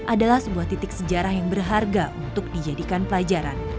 adalah sebuah titik sejarah yang berharga untuk dijadikan pelajaran